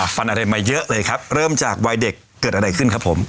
ฟันอะไรมาเยอะเลยครับเริ่มจากวัยเด็กเกิดอะไรขึ้นครับผม